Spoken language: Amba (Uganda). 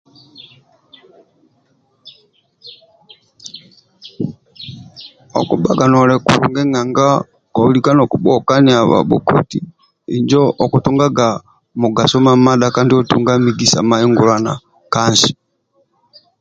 Okubhaga noli kulungi nanga kolika nokubhuokiania bhabhoti injo okutungaga mugaso mamadha kandinotunga mugisa mahingulana ka nsi